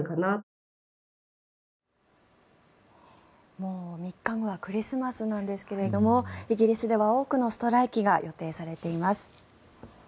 もう３日後はクリスマスなんですけどもイギリスでは多くのストライキが予定されています。